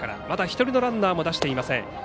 まだ１人のランナーも出していません。